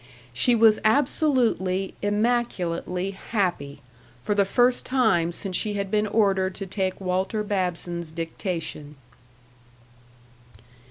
She was absolutely, immaculately happy, for the first time since she had been ordered to take Walter Babson's dictation.